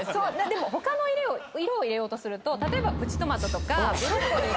でも他の色を入れようとすると例えばプチトマトとかブロッコリーとか。